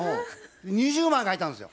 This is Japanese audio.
２０枚書いたんですよ。